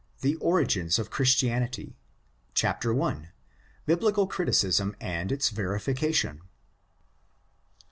THE ORIGINS OF CHRISTIANITY 1.— Biblical Criticism and its Verification.